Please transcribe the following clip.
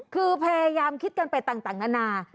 คือพยายามคิดกันไปต่างนานา